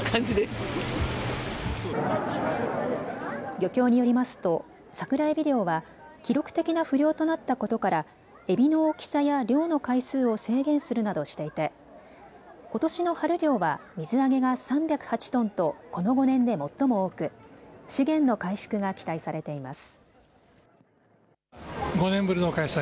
漁協によりますとサクラエビ漁は記録的な不漁となったことからエビの大きさや漁の回数を制限するなどしていてことしの春漁は水揚げが３０８トンとこの５年で最も多く資源の回復が期待されています。